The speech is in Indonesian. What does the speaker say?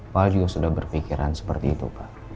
pak al juga sudah berpikiran seperti itu pak